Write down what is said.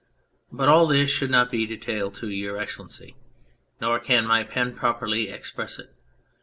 But all this should not be detailed to^ Your Excellency, nor can my pen properly express it.